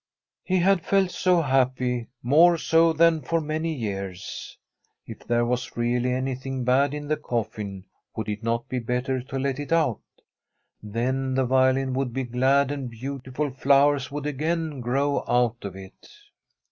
He had felt so happy, more so than for many years. If there was really anything bad in the coffin, would it not be better to let it out ? Then the violin would be glad, and beautiful flowers would again grow out of it.